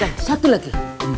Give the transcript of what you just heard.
dan satu lagi